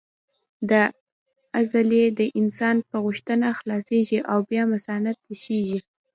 دا عضلې د انسان په غوښتنه خلاصېږي او بیا مثانه تشېږي.